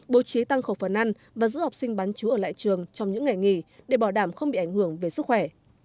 bố trí tăng khẩu phần ăn và giữ học sinh bán chú ở lại trường trong những ngày nghỉ để bảo đảm không bị ảnh hưởng về sức khỏe